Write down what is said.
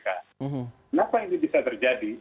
kenapa ini bisa terjadi